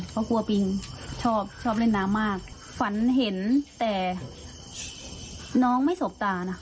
เขากลัวปิงชอบชอบเล่นน้ำมากฝันเห็นแต่น้องไม่สบตานะ